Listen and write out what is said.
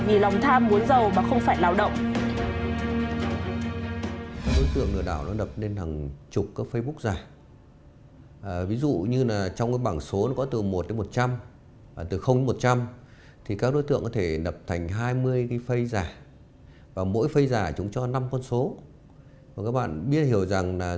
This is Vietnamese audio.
vì lòng tham muốn giàu và không phải lào động